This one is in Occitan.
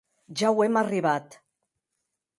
Ja auem arribat.